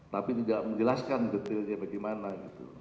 tapi tidak menjelaskan detailnya bagaimana gitu